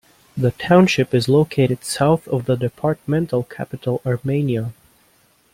The township is located south of the departmental capital Armenia.